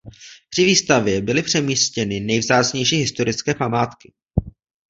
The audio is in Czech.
Při výstavbě byly přemístěny nejvzácnější historické památky.